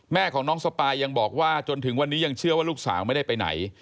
แม่ของน้องสปายยังบอกว่าจนถึงวันนี้ยังเชื่อว่าลูกสาวไม่ได้ไปไหน